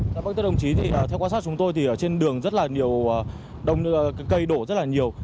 dạ vâng thưa đồng chí theo quan sát chúng tôi thì trên đường rất là nhiều cây đổ rất là nhiều